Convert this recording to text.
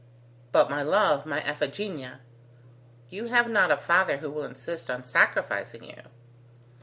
But, my love, my Iphigenia, you have not a father who will insist on sacrificing you."